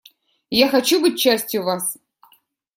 Я хочу быть частью вас.